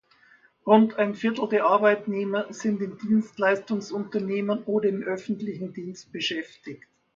Rund ein Viertel der Arbeitnehmer sind in Dienstleistungsunternehmen oder im öffentlichen Dienst beschäftigt.